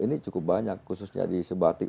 ini cukup banyak khususnya di sebatik